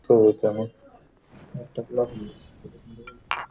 বাঙালির মেয়ে তো কথায় মরতে যায়।